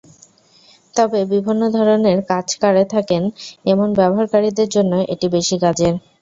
তবে বিভিন্ন ধরনের কাজ কারে থাকেন, এমন ব্যবহারকারীদের জন্য এটি বেশ কাজের।